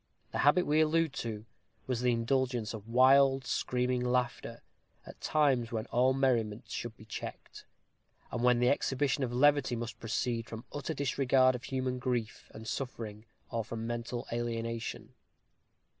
The habit we allude to, was the indulgence of wild screaming laughter at times when all merriment should be checked; and when the exhibition of levity must proceed from utter disregard of human grief and suffering, or from mental alienation.